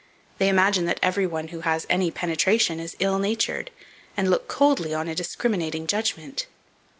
They imagine that every one who has any penetration is ill natured, and look coldly on a discriminating judgment.